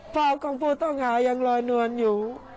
ภาพของผู้ต้องหายังลอยนวลอยู่